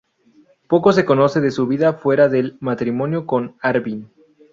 Poco se conoce de su vida fuera del matrimonio con Arvin.